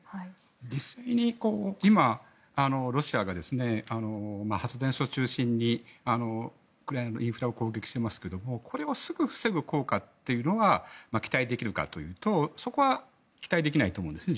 実際に今、ロシアが発電所を中心にウクライナのインフラを攻撃していますけどこれをすぐ防ぐ効果が期待できるかというとそこは期待できないと思うんですね。